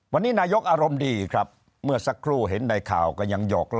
วันนี้นายกอารมณ์ดีครับเมื่อสักครู่เห็นในข่าวก็ยังหอกล่อ